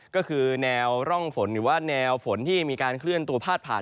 ก็คือแนวร่องฝนหรือว่าแนวฝนที่มีการเคลื่อนตัวพาดผ่าน